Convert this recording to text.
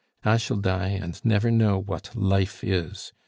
I shall die and never know what life is.